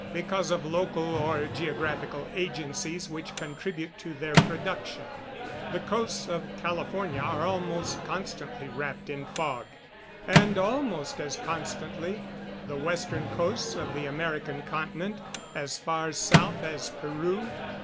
_ Because of local or geographical agencies which contribute to their production. The coasts of California are almost constantly wrapped in fog; and, almost as constantly, the western coast of the American continent, as far south as Peru.